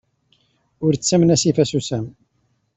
Ur ttamen asif asusam!